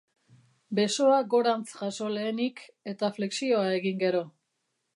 Besoa gorantz jaso lehenik eta flexioa egin gero.